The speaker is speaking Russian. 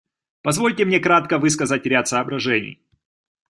Позвольте мне кратко высказать ряд соображений.